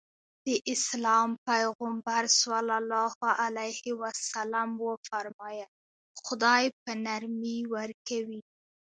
د اسلام پيغمبر ص وفرمايل خدای په نرمي ورکوي.